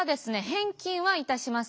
返金はいたしません。